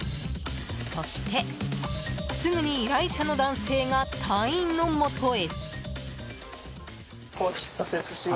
そして、すぐに依頼者の男性が隊員のもとへ。